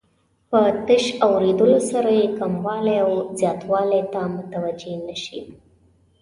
په تش اوریدلو سره یې کموالي او زیاتوالي ته متوجه نه شي.